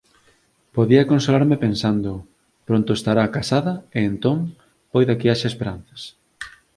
podía consolarme pensando: «Pronto estará casada e entón poida que haxa esperanzas».